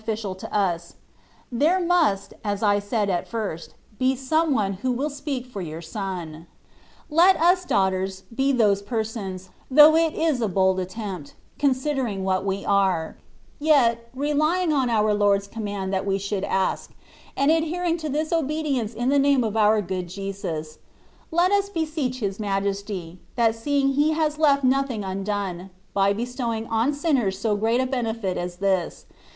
179 ficial to U8)> there must^ as I said at firsts be some one who will speak for Your Son. Let us^ daughters^ be those persons^ though it is a bold attempt^ considering what we are : yet, relying on our Lord^s command that we should ask, and adhering to this obedience in the name of our Good Jesus, let us beseech His Majesty, that seeing He has left nothing undone, by be stowing on sinners so great a benefit ss this.